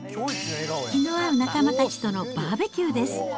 気の合う仲間たちとのバーベキューです。